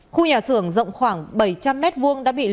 khu nhà sưởng rộng khoảng bảy trăm linh m hai đã bị lệnh